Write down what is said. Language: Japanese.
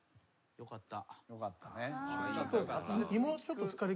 よかった。